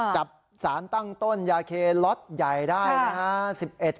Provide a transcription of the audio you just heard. จับสารตั้งต้นยาเคล็อตใหญ่ได้นะฮะ